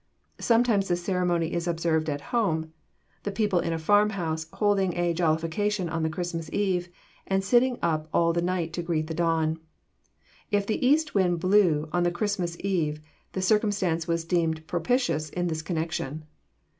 Sometimes this ceremony is observed at home, the people in a farm house holding a jollification on the Christmas eve, and sitting up all night to greet the dawn. If the east wind blew on the Christmas eve the circumstance was deemed propitious in this connection.